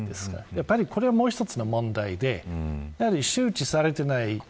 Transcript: やっぱり、これもう一つの問題で周知されていない。